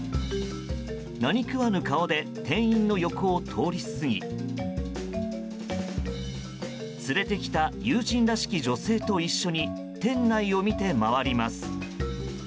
何食わぬ顔で店員の横を通り過ぎ連れてきた友人らしき女性と一緒に店内を見て回ります。